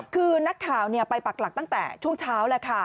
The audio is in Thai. คือนักข่าวไปปากหลักตั้งแต่ช่วงเช้า